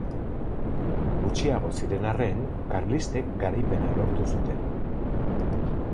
Gutxiago ziren arren, karlistek garaipena lortu zuten.